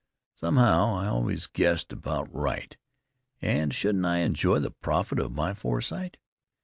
Somehow, I always guessed about right, and shouldn't I enjoy the profit of my foresight?